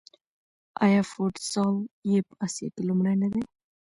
آیا فوټسال یې په اسیا کې لومړی نه دی؟